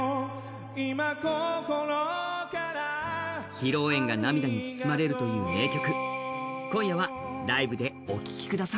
披露宴が涙に包まれるという名曲。